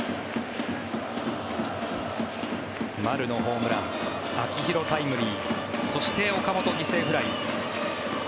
丸のホームラン秋広、タイムリーそして岡本、犠牲フライ。